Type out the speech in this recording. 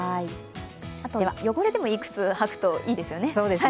あと、汚れてもいい靴を履くといいですよね。